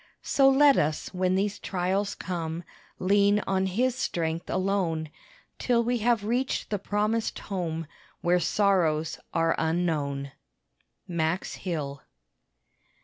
So let us when these trials come, Lean on his strength alone, Till we have reached the promised home Where sorrows are unknown. MAX HILL.